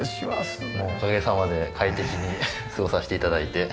おかげさまで快適に過ごさせて頂いて。